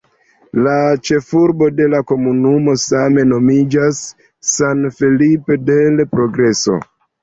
La ĉefurbo de la komunumo same nomiĝas "San Felipe del Progreso".